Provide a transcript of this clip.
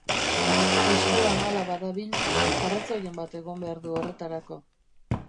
Eskolan hala badabil, arrazoiren bat egon behar du horretarako.